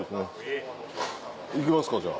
行きますかじゃあ。